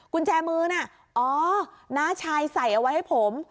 กุญแจมือน่ะอ๋อน้าชายใส่เอาไว้ให้ผม